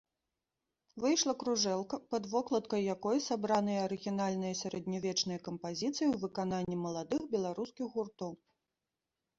Выйшла кружэлка, пад вокладкай якой сабраныя арыгінальныя сярэднявечныя кампазіцыі ў выкананні маладых беларускіх гуртоў.